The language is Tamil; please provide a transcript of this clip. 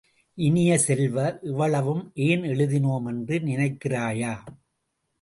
இனிய செல்வ, இவ்வளவும் ஏன் எழுதினோம் என்று நினைக்கிறாயா?